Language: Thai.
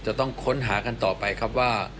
จะต้องค้นหากันต่อไปครับว่า